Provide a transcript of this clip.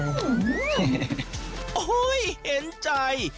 โอ้โหเห็นใจ